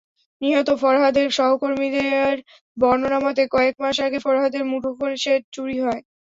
নিহত ফরহাদের সহকর্মীদের বর্ণনামতে, কয়েক মাস আগে ফরহাদের মুঠোফোন সেট চুরি হয়।